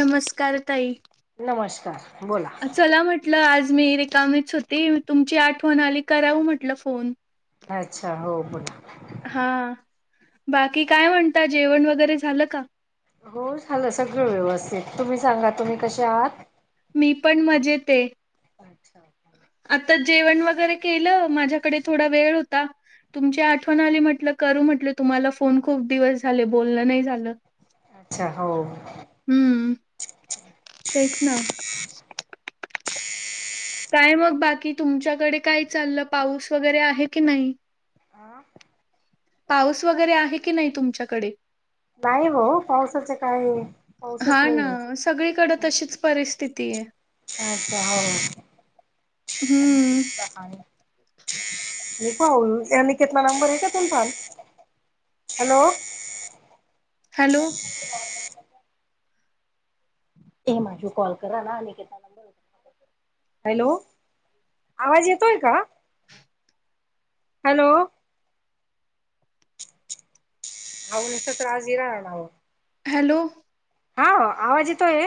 नमस्कार ताई नमस्कार बोला चला म्हटलं आज मी रिकामीच होती तुमची आठवण आली कराव म्हटलं फोन अच्छा हो ब हा बाकी काय म्हणता जेवण वगैरे झालं का? हो झालं सगळं व्यवस्थित तुम्ही सांगा तुम्ही कसे आहात. मी पण मजेत- अच्छा आता जेवण वगैरे केलं माझ्याकडे थोडा वेळ होता. तुमची आठवण आली म्हटलं करू म्हटलं तुम्हाला फोन खूप दिवस झाले बोलण नाही झालं. अच्छा हो हम्म तेहीच ना काय मग बाकी तुमच्याकडे काय चाललं पाऊस वगैरे आहे की नाही. आह पाऊस वगैरे आहे की नाही तुमच्याकडे नाही हो पावसाच काय पावसच हा नाही ना आहे. सगळीकडे तशीच परिस्थिती आहे. अचछा हम्म. हो पाऊल यांनी केतला नंबर आहे का तुमचाल हॅलो हॅलो ते माझू कॉल करा ना आणिक नंबर हॅलो आवाज येतोय का? हॅलो अन असच्रास गराणार ना हॅलो. हा आवाज येतोय?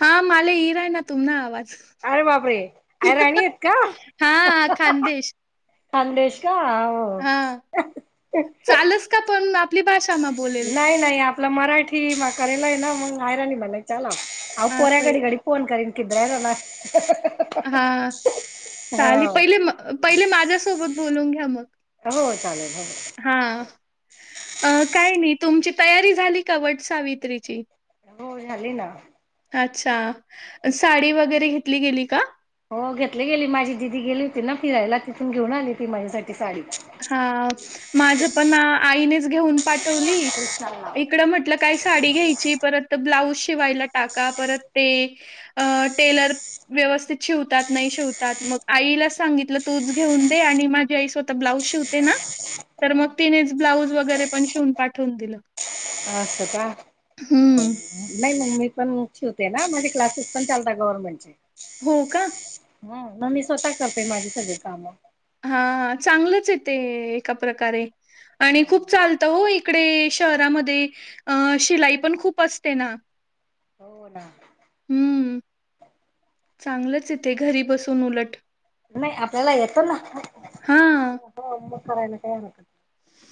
हा माले येई राहीला ना तुम ना आवाज. अरे बापरे आय राणी आहेत हा का? खानदेश खांदेश का हाव. हा चालस का पण आपली भाषा मा बोलेल? नाही नाही आपला मराठी करायल आहे ना मग आहेयराली म ला हा असं आहे पोऱ्याकरी राहिली. फोन करीन किधर राहणार का हा चाले पहिले, पहिले माझ्यासोबत बोलून घ्या मग. हो चालेल, चालेल. हा काय नाही तुमची तयारी झाली का वट सावित्रीची? हो झाली ना. अच्छा साडी वगैरे घेतली गेली का? हो घेतले गेली माझी दिदी गेली होती ना फिरायला तिथून घेऊन आली हो ती माझ्यासाठी साडी. हा माझ पण आईनेच घेऊन पाठवली इकडं म्हटल काही साडी घ्यायची परत ब्लाऊज शिवायला टाका परत ते टेलर व्यवस्थित शिवतात नाही शिवतात मग आईला सांगितलं तूच घेऊन दे आणि माझी आई स्वतः ब्लाउज श शिवते ना तर मग तिनेच ब्लाउज वगैरे पण शिवुन पाठवून दिल. असस का [inaudible] नाही मग मी पण शिवतेना माझे क्लासेस पण चालतात गव्हर्नमेंटचे. हो का. हो मग मी स्वतः कपरते माझी सगळी काम. हा चांगलंच आहे ते एका प्रकारे आणि खूप चालतं हो इकडे शहरामध्ये अं शिलाई पण खूप असतेना. हो ना. हम्म, चांगलंच यथे घरी बसून उलट. नाही आपल्याला येत ना हां, हो मग करायला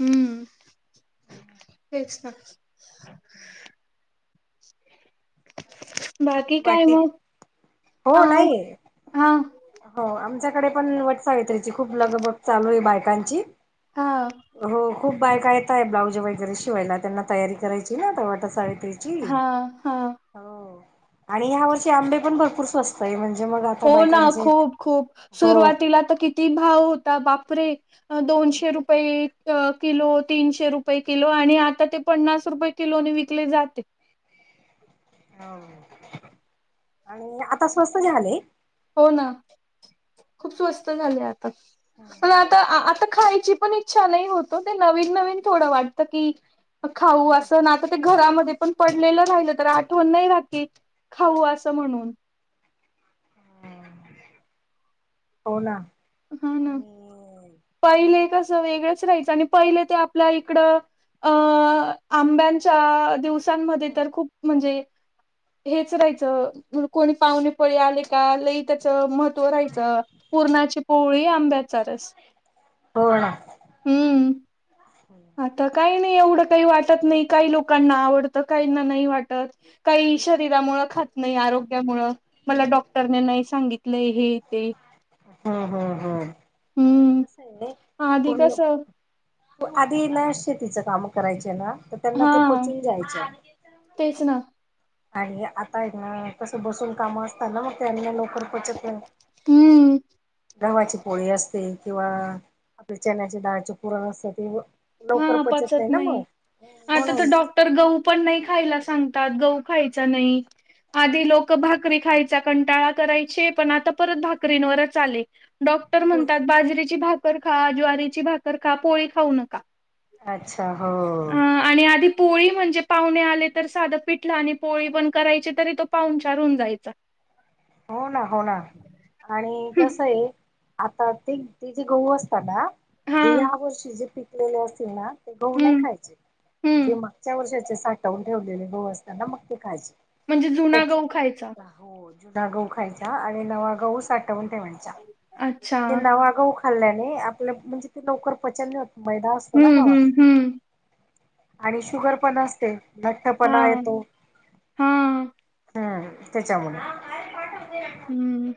हम्म तेच ना. बाकी काय मग हो ह नाही हा. हो आमच्याकडे पण वटसावित्रीची खूप लग बग चालू आहे बायकांची. हा.. हो खूप बायका येताय ब्लाऊज वगैरे शिवायला त्यांना तयारी करायची ना ते वाट सावित्री हा हा आणि या वर्ष आंबे पण भरपूर स्वस्त म्हणजे मग आता हो ना बायकांचे खूप, खूप हो सुरुवातीला तर किती भाव होता बापरे दोनशे रुपये किलो, तीनशे रुपये किलो आणि आता ते पन्नास रुपये किलोणी विकले जात हे. हो आणि आता स्वस्त झाले. हो ना खूप स्वस्त झाले आता मला आता, आता खायची पण इछा नाही होत ते नवीन, नवीन थोडं वाटत की खाऊ अस आणि आता ते घरामध्ये पण पडलेलं राहिलं तर आठवण नाही राहते खाऊ असं म्हणून. हो ना हा ना आणि पहिले कसं वेगळंच राहायचं आणि पहिले ते आपल्या इकड अ आंब्यांच्या दिवसांमध्ये तर खूप म्हणजे हेच राहायचं, म्ह कोणी पाहुणेपाई आले का, लई त्याच महत्त्व राहायचं. पूर्णाची पोळी, आंब्याचाा रस, हो ना हम्म, आता काही नाही, एवढं काही वाटत नाही, काही लोकांना आवडतं. काहीना नाही वाटत काही, शरीरा मुळ खात नाही, आरोग्यामुळेळ मला डॉक्टरने, नाही सांगितलंय हे, ते, हा, हा, हा, आणि हम्म कस आहे आधी पूर्ण कसं आधीना, शेतीचं काम करायचे ना, तर त्यांना हा ते पचून जायचे. तेच ना, आणि आताआहेना, कसं बसून काम असताना, मग त्यांना लोक हम्म [unintelligible] घावची पोळी असते, किंवा आपल्या चण्याचे डाळाचे पुरण असत ते लवकर हा, पचत ना मग नाही आता तर म्हणून डॉक् तर, गहू पण नाही खायला सांगतात, गहू खायचा नाही. आधी, लोक भाकरी खायचा कंटाळा करायचे, पण आता परत भाकरीवरच आले. डॉक्टर म्हणतात, बाजरीेची भाकरखा, ज्वारीची भाकरखा, पोळी खाऊ नका. अच्छा, हो, अ आणि, आधी पोळी म्हणजे, पाहुणे आले तर साधं पिठलं, आणि पोळी पण करायची, तरी तो पाहुनचार होउन जायचा. हो, ना, हो, ना आणि कसं हे, आता ते तेजे, गहू असता ना. हा जी, ह्या वर्षी जे पिकलेले असतील ना ते, गहू नाही हम्म खायचे, जे हम्म मागच्या वर्षाचे साठावून ठेवलेले, गहू असताना मग ते खायचे. म्हणजे, जुना तेच गहू खायचा. हो, जुना गहू खायचा, आणि नवा गहू साठवून ठेवायचा, अच्छा ते नवा गहू खाल्ल्याने, आपलं म्हणजे ते लवकर पचन नाही होत, मैदा असतो ना हम्म हम्म घवत. हम्म आणि, शुगर पण असते. हा लठ्ठपणा येतो, हा हम्म, त्याच्यामुळे. [inaudible] हम्म,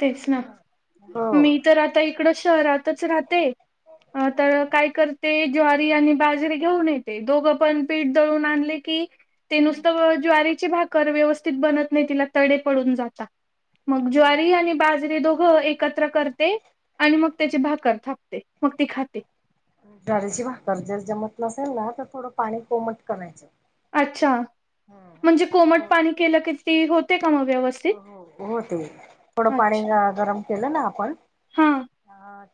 तेच ना हो. मीतर आता, इकडं शहरातच राहते. अ तर काय कर ते, ज्वारी आणि बाजरीे घेऊन येते, दोघं पण पीठ दळून आणले की ते, नुसतं ज्वारीची भाकर, व्यवस्थित बनत नाही, तिला तडे पडून जाता. मग, हो. ज्वारी आणि बाज री, दोघ एकत्र करते, आणि मग त्याची भाकर थापते, मग ती खाते. ज्वारीची भाकर जर, जमत नसेल ना, तर थोडं पाणी कोमट करायचं. अच्छा, म्हणजे कोमट हो पाणी केलंकी, ती होते का मग व्यवस्थ हो, हो होते, थोडं पाणी गरम केलं ना आपण. हा, अ,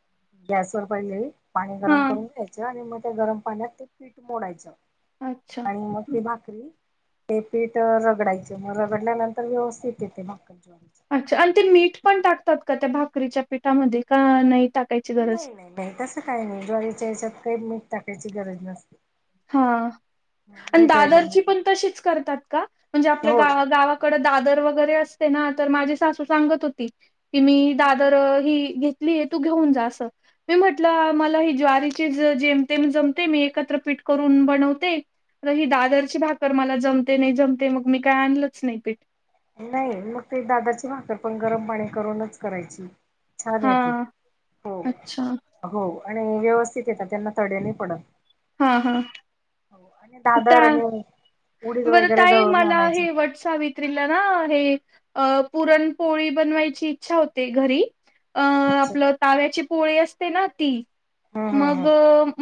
गॅस वर पहिले, पाणी हा. गरम करून घ्यायचं, आणि मग त्या गरम पाण्यात पिट, मोडायचं अच्छा. आणि मग ती, भाकरी ते पीठ रगडायच, म रगडल्यानंतर व्यवस्थित येते भाकर ज्वाडीच. अच्छा, अणते मीठ पण टाकतात, कात्या भाकरीच्या पिठामध्ये, का नाही टाकायची गरज. नाही नाही नाही, तसं काही नाही, ज्वारीच्या याच्यात काही मीठ टाकायची गरज नसते. हा, आणि मीठ वगैरे नाही दादरची पण, टाकायचं तशीच करतात का? म्हणजे आपल्या हो. गावा-गावा कड, दादर वगैरे असतेना, तर माझी सासू सांगत होती, की मी दा तर, ही घेतली हे, तू घेऊन जा अस. मी म्हटलं, मला ही ज्वारीची जेमतेम जमते, मी एकत्र पीठ करून बनवते. तर ही, दादरची भाकर मला जमते नाही, जमते मग मी काय आणलंच नाही पीठ. नाही मग ते दादाची भाकर पण गरम पाणी करूनच करायची. छान येते हा हो अच्छा हो आणि व्यवस्थित येतात त्यांना तडे नाई पडत. हा हा. हो आणि [inaudible] आणि उडीद बर वगैरे ताई दळून मला आणायचे. हे वटसावित्र ्रीला ना हे अ पुरणपोळी बनवायची इच्छा होते घरी अ आपलं ताव्याची पोळी असते ना ती हम्म हम्म मग हम्म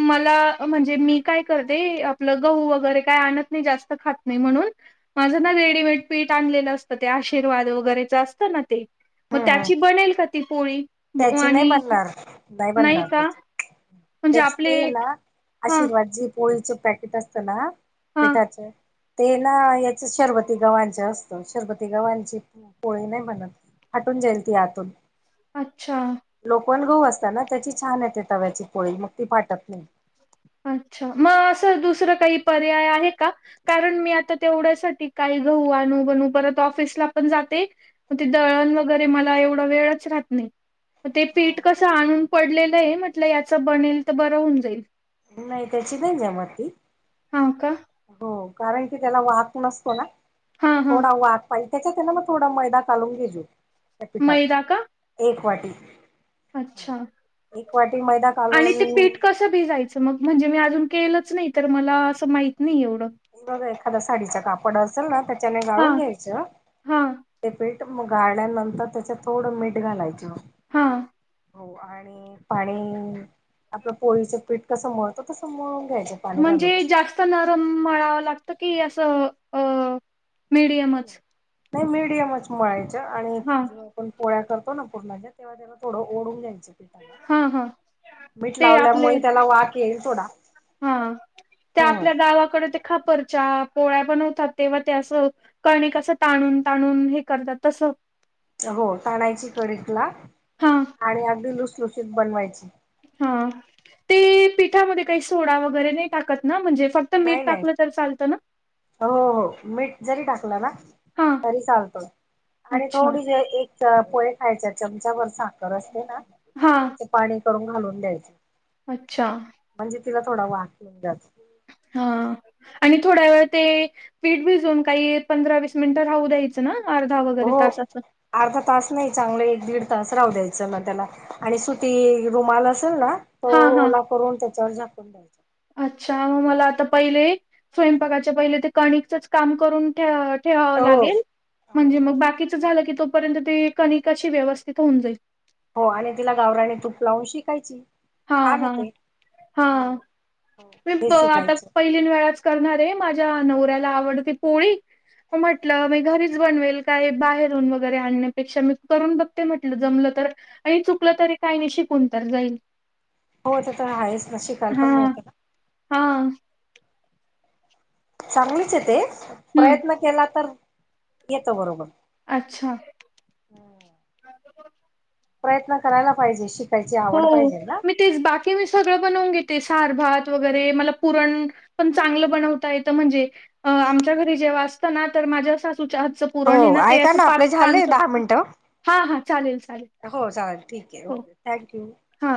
मला म्हणजे मी काय करते पल गहू वगैरे काय आणत नाही जास्त खात नाही म्हणून माझ ना रेडीमेड पीठ आणलेलं असतं ते आशीर्वाद वगैरेच असतं ना ते. म हम्म हम्म त्याची बनेल का ती पोळी त्याची नाही आणि बनणार नाही बनणार का? त्याची. म्हणजे आपले ना हा आशीर्वाद जे पोळीचे पॅकेट असत ना हा पिठाच ते ना याच शरबती गवांच असतं शरबती गवांची पोळी नाही बनत. हटून जाईल ती आतून. अच्छा. लोपण गहू असत ना त्याची छान येते तव्याची पोळी मग ती फाटत नाही. अच्छा मग असं दुसरं काही पर्याय आहे का? कारण मी आता तेवढ्यासाठी काही गहू अनू बनू परत ऑफिसला पण जाते. मग ते दळण वगैरे मला एवढा वेळच राहत नाही. मग ते हो. पीठ कसं आणून पडलेलं आहे म्हटलं याचं बनेल तर बरं होऊन जाईल. नाही त्याची नाही जमत ती. हा का! हो कारण की त्याला वात नसतो ना हा हा थोडा वात त्याच्या त्याना मग थोडा मैदा कालून घेजो त्या मैदा का पिठात एक वाटी अच्छा. एक वाटी मैदा आणि ते घालून पीठ कसं भिजायचं मग म्हणजे मी अजून केलंच नाही तर मला असं माहत नाही एवढं बघा एखादा साडीचा कापड असेल ना त्याच्याने हा गाळून घ्यायचं. हा ते पीठ मग गाळल्यानंतर त्याच्यात थोडं मीठ घालायच हां. हो आणि पाणी आपलं पोळीचं पीठ कसं मळतं तसं मळून घ्यायचं. पाणी घालून म्हणजे जास्त नरम मळावं लागत की असं अ मीडियमच नाही मीडियमच मळायचं आणि हा आपण पोळ्या करतो ना पूर्णाच्या तेव्हा त्याला थोडं ओढून जायचं हा हा मीठ ते आपले लावल्यामुळे त्याला वाक येईल थोडा हा त्या आपल्या हम्म गावाकडे ते खापरच्या पोळ्या बनवतात तेव्हा ते असं कण कसं ताणून ताणून हे करतात तसं हो ताणायची थोडी तिला हा आणि अगदी लुसलुशीत बनवायची. हा ते पिठामध्ये काही सोडा वगैरे नाही टाकत ना म्हणजे फक्त मीठ नाही नाही टाकलं तर चालतं ना? हो हो मीठ जरी टाकलं ना हा तरी चालतो आणि अच्छा थोडी ज एक पोहे खायच्या चमचावरर साखर असते ना हा त्याचे पाणी करून घालून द्यायचे. अच्छा. म्हणजे तिला थोडा वाक मिळ जातो. हा आणि थोड्या वेळ ते पीठ भिजून काही पंधरा वीस मिनिटं राहू द्यायच. अर्धा वगैरे हो. तसाच अर्धा तास नाही चांगलं एक दीड तास राहू द्यायचं मग त्याला आणि सुती रुमाला असेल ना तो हा हा ओला करून त्याच्यावर झाकून द्यायच अच्छा मला आता पहिले स्वयंपाकाच्या पहिले ते कणिकचच काम करून ठ ठेवावं हो लागेल हो म्हणजे हो मग बाकीच झालं की तोपर्यंत ते कनिक अशी व्यवस्थित होऊन जाईल हो आणि तिला गावराने तूप लावून शे. हा हा हा हो म बेसिक आता गायचं प न वेळाच करणारे माझ्या नवऱ्याला आवडते पोळी म्हटलं म घरीच बनवेल काय बाहेरहून वगैरे आणण्यापेक्षा मी करून बघ ते म्हटलं जमलं तर आणि चुकलं तरी काही नाही शिकून तर जाईल हो तर तर हाच न शिकायला हा पण मिळते ना हा सांगचित आहे हम्म प्रयत्न केला तर येतो बरोबर अच्छा प्रयत्न करायला पाहिजे शिक हो मी तेच बाकी मी सगळं बनवून घेते सारभात वगैरे मला पुरण पण चांगलं बनवता येत म्हणजे आमच्या घरी जेव्हा असत ना तर माझ्या सासूच्या आजच पुरण ये हो ना ते ऐका अस आपले झाले पाच दहा मिनिटं हा हा चालेल चालेल हो चालेल ठीक आहे हो ओके थँक यू हा